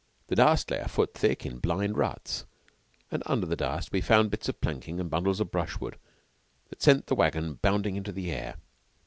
The dust lay a foot thick in the blind ruts, and under the dust we found bits of planking and bundles of brushwood that sent the wagon bounding into the air.